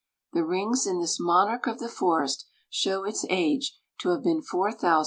The rings in this monarch of the forest show its age to have been 4840 years.